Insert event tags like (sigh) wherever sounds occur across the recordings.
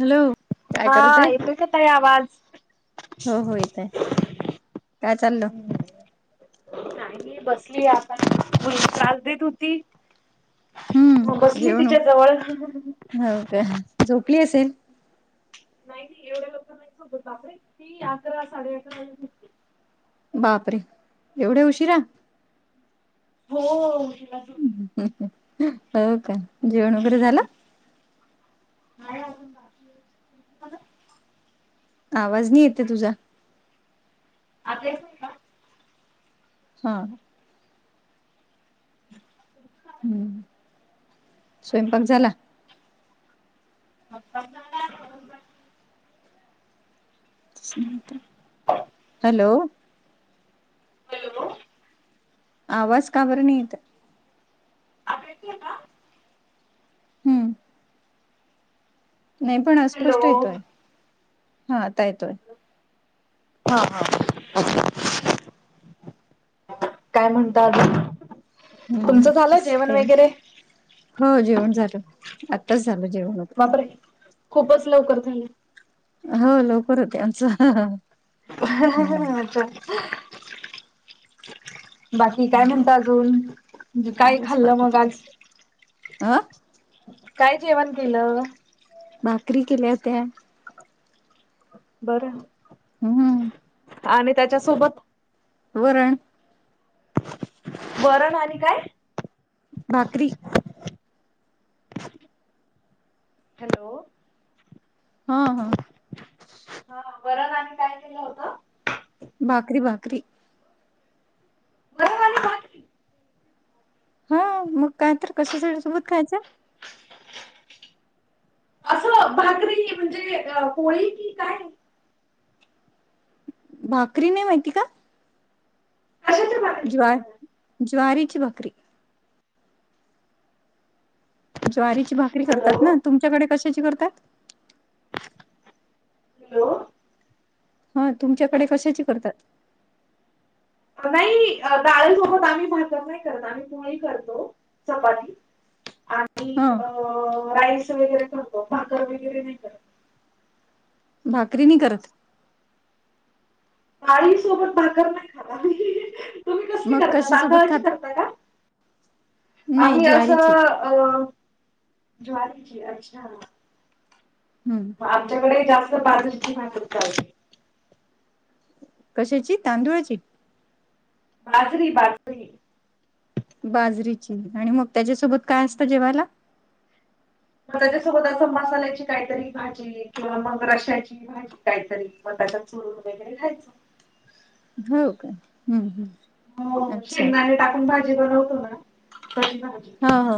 Hello काय हा करतय येतोय का ताई आवाज? हो हो यथय काय चाललं नाही बसली या आपण त्रास देत होती मग हम्म बसली जेवण तिच्या जवळ.. हो का झोपली असेल. नाही नाही एवढे लवकर नाहीं झोपत बापडे ती अकरा साडे अकरा.. बापरे एवढे उशिरा. हो.. हो का जेवण वगैरे झालं. नाही अजून (unintelligible) आवाज नाही येते तुझा. आता येतों. हा. हम्म स्वयंपाक झाला. (unintelligible) हॅलो. हॅलो. आवाज काबर नाही येत. आता येतय का? हम्म. नाही पण हॅलो अस्पष्ट येतोय हा आता येतोय. हा हा. हो. काय म्हणता? हम्म तुमचं झालं जेवण का वगैरे? हो जेवण झाल आत्ताच झालो जेवण. बापरे खूपच लवकर झालं. हो लवकर होते आमच. रिकामा ऑडिओ बाकी काय म्हणत अजून काय खाल्लं मग आज? आं. काय जेवण केलं? भाकरी केल्या होत्या. बरं. हम् हम. आणि त्याच्यासोबत.. वरण. वरण आणि काय? भाकरी. हॅलो. हा हा. हा वरण आनी काय केल होत? भाकरी, भाकरी. वरण आणि भाकरी हा मग काय तर कशासाठी सोबत खायचं. असं भाकरी म्हणजे पोळी कीं काय? भाकरी नाय माहिती का? कशाच्या भाकरी ज्व केल्या होत्या ज्वारीची भाकरी. ज्वारीची भाकरी करतात हॅलो ना तुमच्याकडे कशाची करतात? हॅलो. हा तुमच्याकडे कशाची करतात? नाही डाळसोबत आम्ही भाकरी नाही करत आम्ही पोळी करतो चपाती. आणि हा अ राईस वगरे करत भाकर वगैरे नाही करत. भाकरी नाय करत. डाळी सोबत भाकरर नाही खात. तुम्ही कसली मग करता कशासोबत तांदळाची खाता करता का? नाही आम्ही असं.. ज्वारीची अ ज्वारीची अच्छा. हम्म मग आमच्याकडे जास्त बाज. कशाची तांदुळाची. बाजरी बाजरी. बाजरीची आणि मग त्याच्यासोबत काय असतं जेव्हाला. मग त्याच्यासोबत असं मसाल्याची काहीतरी भाजी किंवा मग रशाची. मा काहीतरी मतता चुरून वगैरे घ्यायचं. हो का हम् हम् हो शेंगदाणे टाकून भाजी बनवतो ना कशी भाजी. ह हो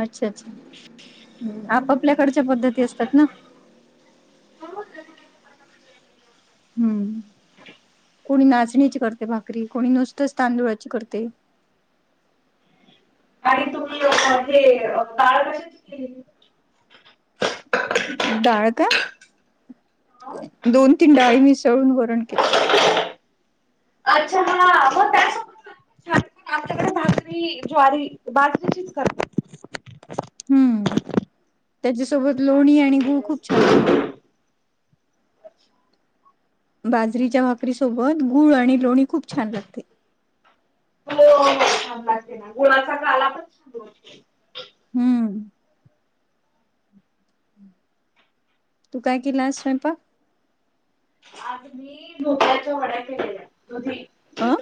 अच्छा अच्छा आपापल्याकडच्या पद्धती असतात ना. हो. हम्म कोणी नाचणीची करते भाकरी कोणी नुसतच तांदुळाची करते. आणि तुम्ही हे ताळ कशी केली. डाळ का दोन तीन डाळी मिसळून वरण केलं. अच्छा ह मग त्या. छ पण आपल्याकडे भाजरी ज्वारी भाजरीचीच करतेात. हम्म त्याच्यासोबत लोणी आणि गूळ खूप छान लागतो. अच्छा बाजरीच्या भाकरी सोबत गूळ आणि लोणी खूप छान लागते. हो हो छान ला असते ना गुळाचा काला पण छान असते. हम्म तू काय केला स्वयंपाक. आज मी दधुध्याच्या वड्या केलेल्या दुधी. अं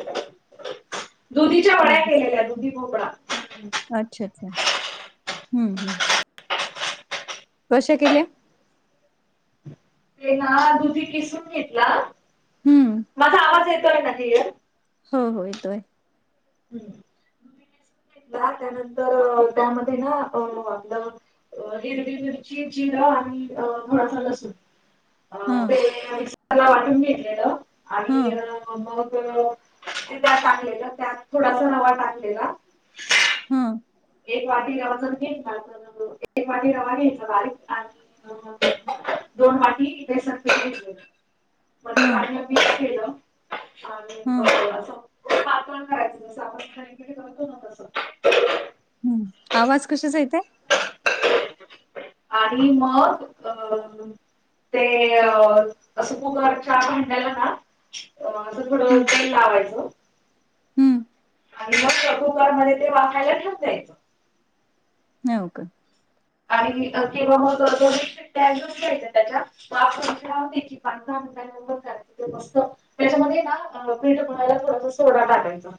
दुधीच्या वड्या दोघीच केलेल्या दुधी भोपडा. अच्छा अच्छा हम्म हम्म कशा केल्या. ते ना दुधी किसून घेतला हम्म माझा आवाज येतोय ना त. हो हो येतोय. त्यानंतर त्यामध्ये ना अ आपलं. अ हिरवी हरची जिरं आणि म्हळथ नसून. अ हं ते मिक्रला वाटून घेतलेलं आणि हं मग. ते त्या टाकलेलं त्यात थोडासा नवा टाकलेला. हा एक वाटी रवा जण घेतयचा एक वाटी रवा घ्यायचा बारीक आणि. दोन वाटी इथ स म हं भड्य पी केलं आणि हं. बस अस. पाातण करायचं सामज खाणीडे करतो ना तसं. हम्म आवाज कशचा येतय. आणि मग अ. ते सुपुकरच्या म्हांडला ना. अ थोडं हम्म तेल लावायचं. हम्म आणि मग प्रुकार मध्ये ते वाकाायला ठेक जायचं नाहीव का. आणि किंवा मग दोन घ्यायच त्याच्या. त खेळा होते की पंध मस्त त्याच्यामध्ये ना पीठ बयला थोडसा सोडा टाकायचा.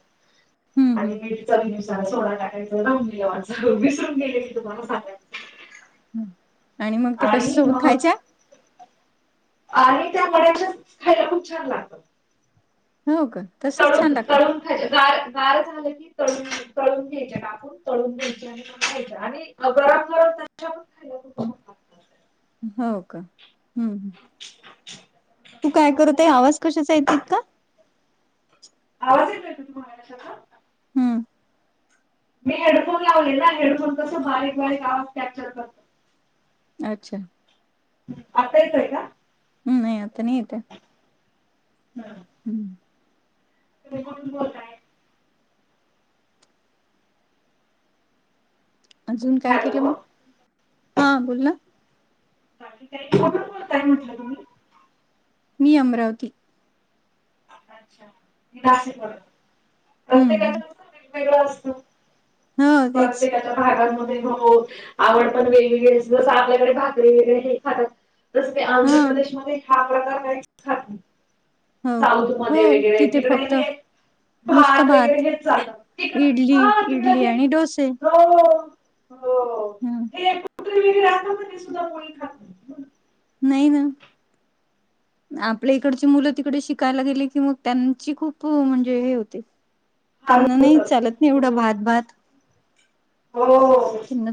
हम्म हम्म आणि मीठ चवीनुसार सोडा टाकायचं जाून विसरून गेले की तुम्हाला सांगायच. हम्म आणि मग ते कशा आणि सोबत मग. खायच्या? आणि त्या मड्याच्या खायला खूप छान लागतं. हो का तसच छान तळून लागत. तळून गार गार झालं की तळून तळून घ्यायच्या ना आपुन तळून घ्यायच्या खायच्या आणि गरम गरम त्याच्या पण खायला (unintelligible) हो का हूं हूं तू काय करते आवाज कशाचा येते इतका आवाज येतोय का तुम्हाला कशाचा हम्म मी हेडफोन लावले ना हेडफोन कस बारीक बारीक आवाज कॅप्चर करत. अच्छा आता येतय का? नय आता नय येत ये. हम् हम्म तुम्ही कुठून बोलताय अजून काय केलं हॅलो मग हा बोल ना बाकी काय नाय कुठून बोलताय म्हटलं तुम्ही मी अमरावती अच्छा नाशिकवरून हम्म प्रत्येका (unintelligible) हम्म अस वेगवेगळा असतो हो परत तेच. एक हाय भागामध्ये हो आवड पण वेगवेगळी जस आपल्याकडे भाकरी वगैरे हे खातात. तस ते हा आंध्र प्रदेशमध्ये हा प्रकार काही खात नाही. हो का साऊथ हो मध्ये वगैरे तिथे तिकडे फक्त हे भात वगैरे हे चालत तिकड इडली हा तिकड इडली हे आणि डोसे हो हो हूं (unintelligible) आसता ते सुद्धा कोणी खात नाय नाही न आपल्या इकडची मुलं तिकडे शिकायला गेले की मग त्यांची खूप म्हणजे हे होते. हाल त्यांना नाही चालत नाही होतात एवढा भात भात हो. की न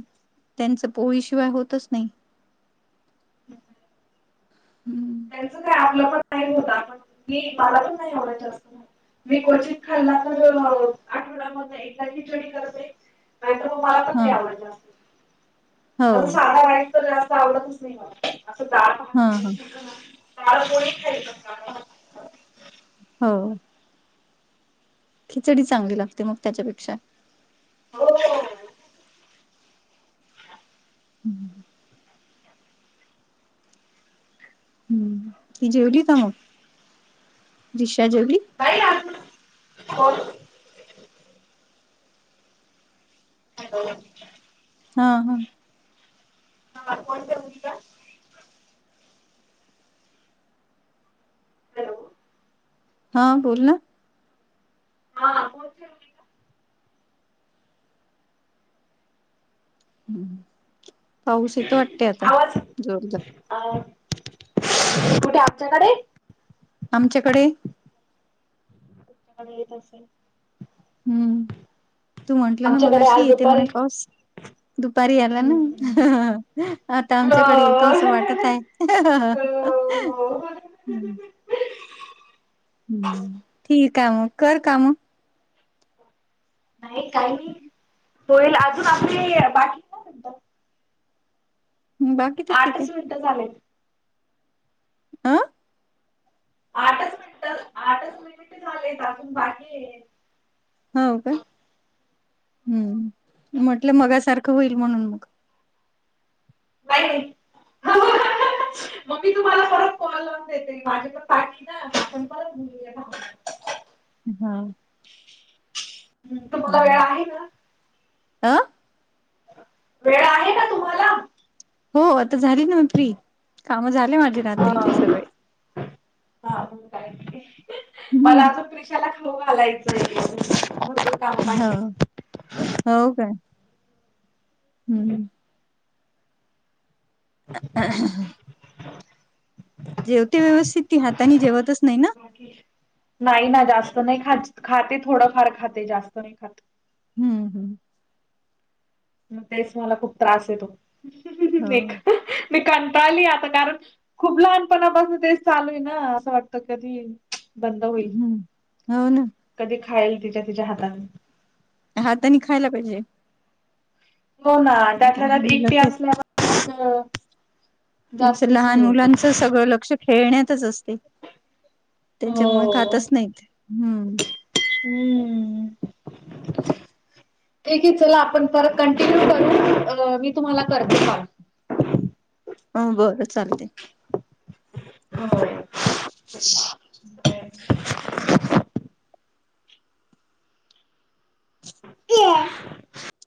त्यांचं पोळीशिवाय होतच नाही. (unintelligible) त्यांच काय आप (unintelligible) तर आपण मला पण नाही एवढं जास्त माहित मी क्वचीत खाल्ला तर आठवड्यामधन एकदा खिचडी करते नाही तर मग मला पण हा नाही आवडत हो जास्त अस साधा वाईट तर जास्त आवडतच नाही मला असं डाळ हा हा भात (unintelligible) हो. खिचडी चांगली लागते मग त्याच्यापेक्षा हो. हम्म हम्म ती जेवली का मग दिक्षा जेवली नाही अजून (unintelligible) हा हा हा कोण जेवली का? हॅलो हा बोल ना हा बोल ती ना पाऊस येत वाटते आता आवाज जोरदार अ कुठे आमच्याकडे आमच्याकडे त असं हम्म तू म्हंटलं ना मग आमच्याकडे अशी आज येते म्हणे दुपारी पाऊस दुपारी आला ना हम्म आता आमच्याकडे हो येतो असं वाटत आहे हो हो हम् हम्म ठीक आहे म कर काम नाही काही नाही होईल अजून आपले बाकी काय म्हणतात बाकीच ठीक आहे झाले आं आठच मिनिट आठच मिनिट झाले अजून बाकी आहे हो का हम्म म्हटलं मगासारखं होईल म्हणून मग नाहीई मग मी तुम्हाला परत कॉल लाून देते माझे प पा आपण परत बोलूया हम हम् तुम्हाला वेळ आहे ना आं वेळ आहे का तुम्हाला हो आता झाली ना मी फ्री काम झाले माझे हा रात्रीचे सगळे हा काही मला हम्म अजून ला खाऊ घालायचं होा हो काय हम्म (inaudible) जेवते व्यवस्थित ती हाताने जेवतच नाही ना नाही ना जास्त नाही ख खाते थोडफार खाते जास्त नाही खाते हम्म हम् मग तेच मला खूप त्रास येतोे हो. मी कंटाळली आता कारण खूप लहानपणापासून ते चालू आहे ना असं वाटतं कधी बंद होईल हम्म हो ना कधी खाल तिच्या तिच्या हाताने हाता आणि खायला पाहिजे हो ना त्यातल्या लहान त्यात मुलं एकटे ते असल्या तुं लहान मुलांचं सगळं लक्ष खेळण्यातच असते त्याच्यामुळे हो खातच नाहीत हम्म हम्म क आहे चला आपण परत कंटिन्यू करून मी तुम्हाला करते काॉल ह बरं चालते हो ह ब या